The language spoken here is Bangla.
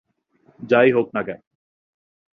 যাই হোক না কেন!